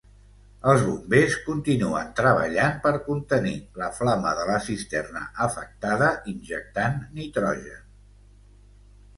Els bombers continuen treballant per contenir la flama de la cisterna afectada injectant nitrogen.